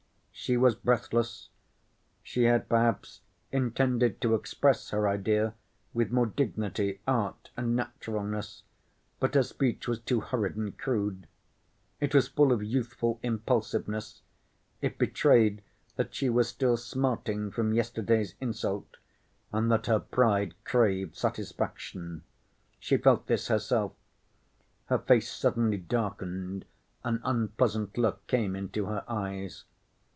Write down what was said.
She was breathless. She had perhaps intended to express her idea with more dignity, art and naturalness, but her speech was too hurried and crude. It was full of youthful impulsiveness, it betrayed that she was still smarting from yesterday's insult, and that her pride craved satisfaction. She felt this herself. Her face suddenly darkened, an unpleasant look came into her eyes.